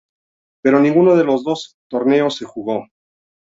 Pero ninguno de los dos torneos se jugó.